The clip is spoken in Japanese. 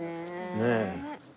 ねえ。